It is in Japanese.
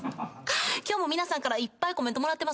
今日も皆さんからいっぱいコメントもらってます。